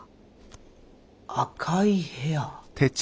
赤い部屋。